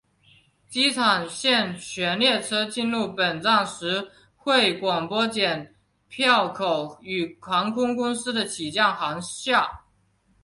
机场线全列车进入本站时会广播剪票口与航空公司的起降航厦。